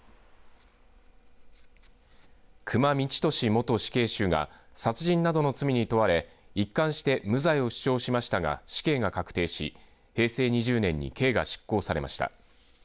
久間三千年元死刑囚が殺人などの罪に問われ、一貫して無罪を主張していましたが死刑が確定し平成２０年に刑が執行されました。